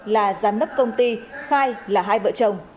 là giám đốc công ty khai là hai vợ chồng